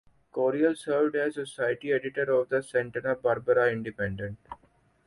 Coryell served as society editor of the Santa Barbara "Independent".